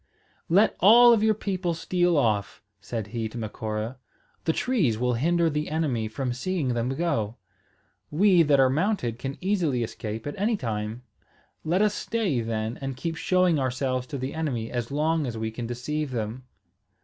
"Let all of your people steal off," said he to Macora. "The trees will hinder the enemy from seeing them go. We that are mounted can easily escape at any time. Let us stay, then, and keep showing ourselves to the enemy as long as we can deceive them."